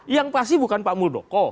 yang pasti bukan pak muldoko